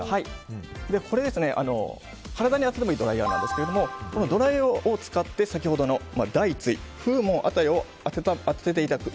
これ、体に当ててもいいドライヤーなんですけどドライヤーを使って、先ほどの大椎、風門辺りを当てていただく。